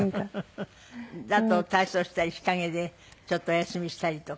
あと体操したり日陰でちょっとお休みしたりとか。